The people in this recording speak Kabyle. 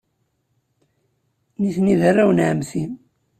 Nitni d arraw n ɛemmti.